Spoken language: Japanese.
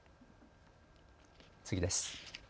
次です。